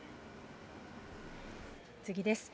次です。